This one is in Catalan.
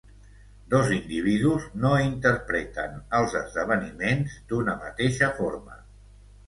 Dos individus no interpreten els esdeveniments d'una mateixa forma.